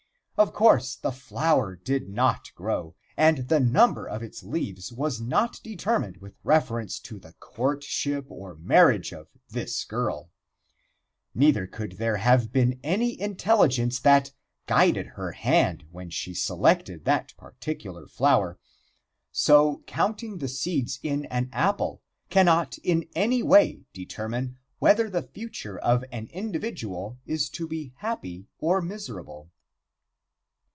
Of course the flower did not grow, and the number of its leaves was not determined with reference to the courtship or marriage of this girl, neither could there have been any intelligence that guided her hand when she selected that particular flower. So, count' ing the seeds in an apple cannot in any way determine whether the future of an individual is to be happy or miserable.